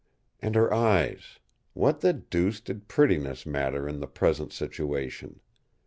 And her eyes. What the deuce did prettiness matter in the present situation?